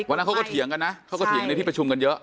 เขาก็เถียงในพิประชุมกันเยอะ